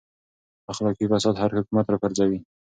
اخلاقي فساد هر حکومت راپرځوي.